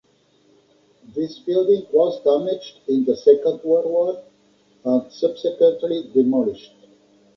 This building was damaged in the Second World War and subsequently demolished.